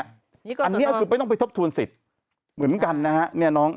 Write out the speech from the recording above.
อันนี้ก็คือไม่ต้องไปทบทวนสิทธิ์เหมือนกันนะฮะ